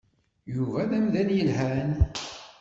Yuba d amdan yelhan.